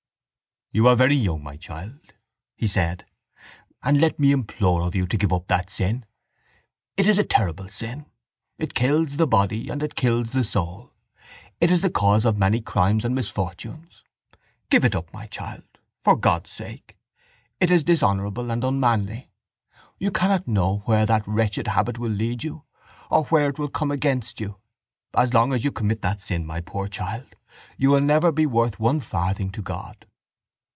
—You are very young, my child, he said, and let me implore of you to give up that sin. It is a terrible sin. It kills the body and it kills the soul. It is the cause of many crimes and misfortunes. Give it up, my child, for God's sake. It is dishonourable and unmanly. You cannot know where that wretched habit will lead you or where it will come against you. As long as you commit that sin, my poor child, you will never be worth one farthing to God.